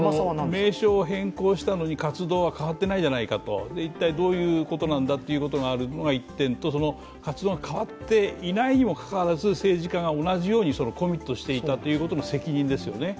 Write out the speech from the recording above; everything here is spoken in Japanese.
名称を変更したのに活動は変わっていないじゃないか、一体、どういうことなんだということがあるというのが１点と、活動が変わっていないにもかかわらず、政治家が同じようにコミットしていたということの責任ですよね。